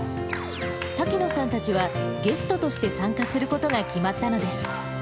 滝野さんたちは、ゲストとして参加することが決まったのです。